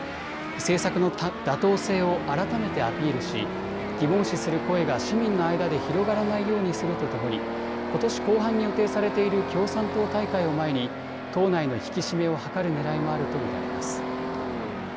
政策の妥当性を改めてアピールし疑問視する声が市民の間で広がらないようにするとともにことし後半に予定されている共産党大会を前に党内の引き締めを図るねらいもあると見られます。